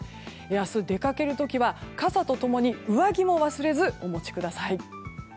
明日、出かける時は傘と共に上着も忘れずお持ちください。